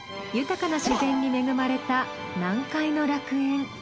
豊かな自然に恵まれた南海の楽園